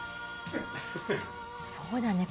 そうだね。